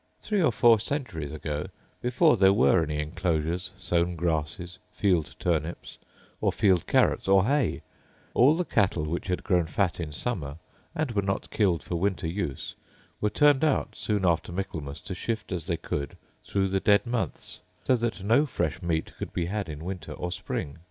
Three or four centuries ago, before there were any enclosures, sown grasses, field turnips, or field carrots, or hay, all the cattle which had grown fat in summer, and were not killed for winter use, were turned out soon after Michaelmas to shift as they could through the dead months; so that no fresh meat could be had in winter or spring.